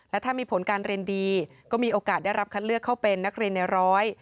และถ้ามีผลการเรียนดีก็มีโอกาสได้รับคัดเลือกเข้าเป็นนักเรียนในร้อย